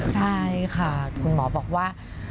ใช่ค่ะคุณหมอบอกว่า